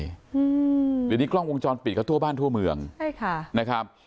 เดี๋ยวนี้กล้องวงจรปิดเขาทั่วบ้านทั่วเมืองใช่ค่ะนะครับ